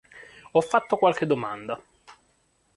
Ho fatto qualche domanda.